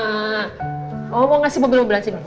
ngomong kasih pelan pelan sini